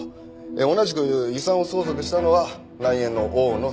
同じく遺産を相続したのは内縁の大野早知恵。